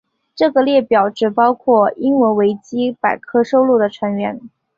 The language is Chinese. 这个列表只包括英文维基百科收录的成员。